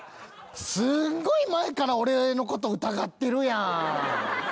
すごい前から俺のこと疑ってるやん。